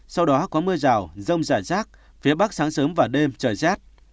sau đó có mưa rào rông giải rác phía bắc sáng sớm và đêm trời chét